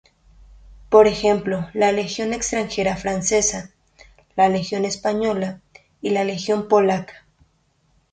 Por ejemplo la Legión Extranjera Francesa, la Legión Española y la Legión polaca.